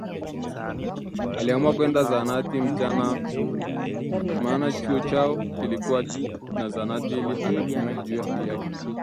Aliamua kwenda zahanatini maana chuo chao kilikuwa na zahanati ili akapimwe na ajuwe hali yake